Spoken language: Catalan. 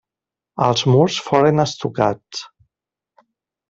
Els murs foren estucats.